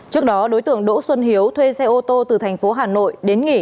trước đó đối tượng đỗ xuân hiếu thuê xe ô tô từ tp hà nội đến nghỉ